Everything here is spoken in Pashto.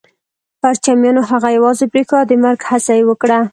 پرچمیانو هغه يوازې پرېښود او د مرګ هڅه يې وکړه